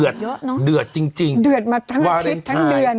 เถือดเถือดจริง